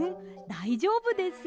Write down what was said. だいじょうぶですよ。